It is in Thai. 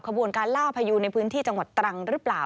ขบวนการล่าพยูนในพื้นที่จังหวัดตรังหรือเปล่า